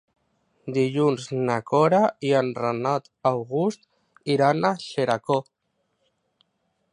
Dilluns na Cora i en Renat August iran a Xeraco.